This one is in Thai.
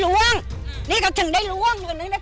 พวกเนี่ยอ้างโกหกนั่นแหละโดนคุณสายโดนคุณสาย